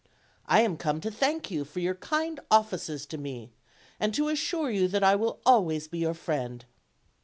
I am come to thank you for your kind offices to me, and to assure you that I will always be your friend.